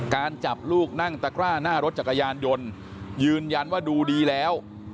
การจับลูกนั่งตะกร้าหน้ารถจักรยานยนต์ยืนยันว่าดูดีแล้ว